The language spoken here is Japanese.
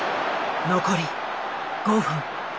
残り５分。